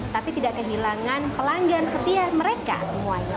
tapi tidak kehilangan pelanggan setia mereka semuanya